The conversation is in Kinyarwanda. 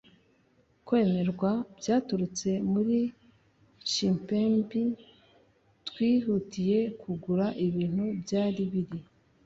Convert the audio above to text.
kwemerwa byaturutse muri chipembi, twihutiye kugura ibintu byari biri